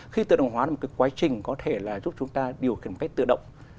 khi tự động hóa là một quá trình có thể là giúp chúng ta điều khiển cách tự động